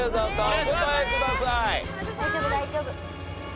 お答えください。